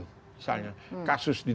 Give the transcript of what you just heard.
misalnya kasus di